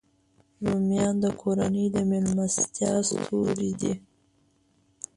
رومیان د کورنۍ د میلمستیا ستوری دی